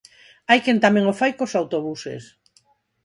Hai quen tamén o fai cos autobuses.